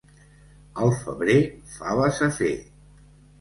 Al febrer, faves a fer.